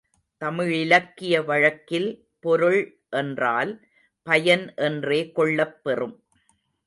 தமிழிலக்கிய வழக்கில் பொருள் என்றால் பயன் என்றே கொள்ளப் பெறும்.